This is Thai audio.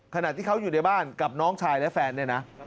ขณะที่เขาอยู่ในบ้านกับน้องชายและแฟนเนี่ยนะ